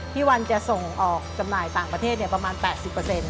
พี่วันจะส่งออกจำหน่ายต่างประเทศประมาณ๘๐